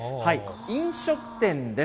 飲食店です。